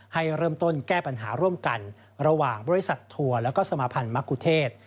ให้เริ่มต้นแก้ปัญหาร่วมกันระหว่างบริษัททัวร์แล้วก็สมาพันธ์มะกุเทศ